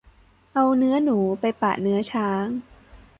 เอาเนื้อหนูไปปะเนื้อช้าง